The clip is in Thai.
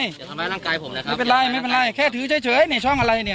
อย่าทำไม่ร่างกายผมนะครับไม่เป็นไรไม่เป็นไรแค่ทื้อเฉยเฉยเนี้ยช่องอะไรเนี้ย